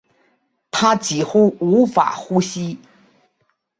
她几乎无法呼吸